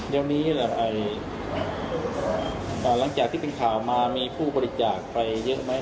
เดี๋ยวนี้หลังจากที่เป็นข่าวมามีผู้บริจาคไปเยอะไหม